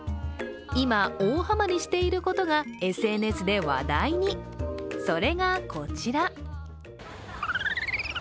今、大ハマりしていることがＳＮＳで話題に、それがこちら。